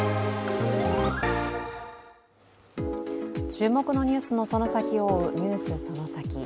注目のニュースのその先を追う、「ＮＥＷＳそのサキ！」